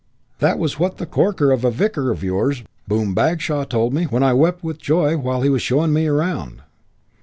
That was what that corker of a vicar of yours, Boom Bagshaw, told me I was when I wept with joy while he was showing me round.